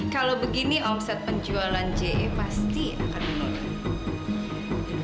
kalau begini omset penjualan je pasti akan menurun